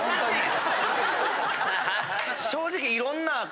正直。